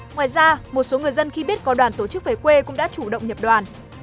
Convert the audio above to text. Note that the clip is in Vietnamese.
ngoài ra một số người dân khi biết có đoàn tổ chức về quê cũng đã chủ động nhập đoàn